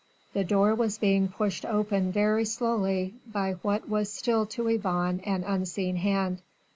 The door was being pushed open very slowly by what was still to Yvonne an unseen hand.